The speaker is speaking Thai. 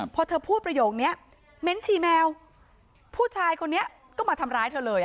พอเธอพูดประโยคนี้เม้นชีแมวผู้ชายคนนี้ก็มาทำร้ายเธอเลย